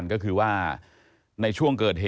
ที่อ๊อฟวัย๒๓ปี